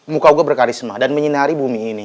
muka uga berkarisma dan menyinari bumi ini